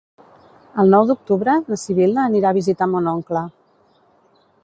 El nou d'octubre na Sibil·la anirà a visitar mon oncle.